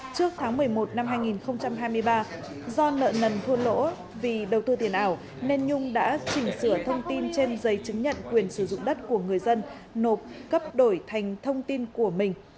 trước tháng một mươi một năm hai nghìn hai mươi ba do nợ nần thua lỗ vì đầu tư tiền ảo nên nhung đã chỉnh sửa thông tin trên giấy chứng nhận quyền sử dụng đất của người dân nộp cấp đổi thành thông tin của mình